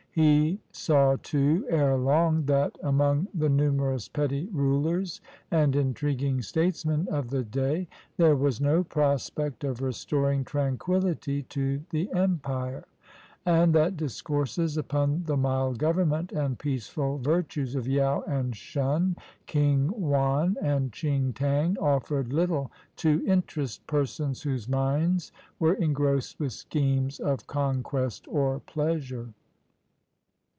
He saw, too, erelong, that, among the numerous petty rulers and intriguing statesmen of the day, there was no prospect of restoring tranquillity to the empire, and that discourses upon the mild government and peaceful virtues of Yau and Shun, King Wan and Ching tang, offered little to interest persons whose minds were engrossed with schemes of conquest or pleasure.